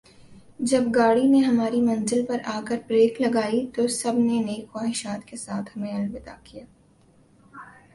جب گاڑی نے ہماری منزل پر آ کر بریک لگائی تو سب نے نیک خواہشات کے ساتھ ہمیں الوداع کیا